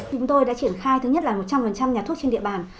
chúng tôi đã triển khai thứ nhất là một trăm linh nhà thuốc trên địa bàn